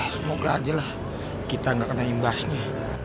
semoga aja lah kita nggak kena imbasnya